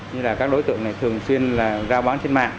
như là các đối tượng này thường xuyên là rao bán trên mạng